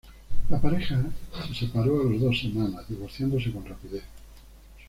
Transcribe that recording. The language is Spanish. La pareja se separó a las dos semanas, divorciándose con rapidez.